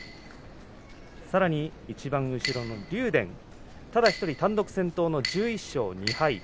さらにいちばん後ろの竜電ただ１人、単独先頭の１１勝２敗。